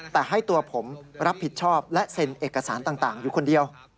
แต่ให้ตัวผมรับผิดชอบและเซ็นเอกสารต่างอยู่คนเดียว